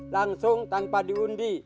langsung tanpa diundi